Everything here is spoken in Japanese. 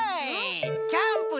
キャンプ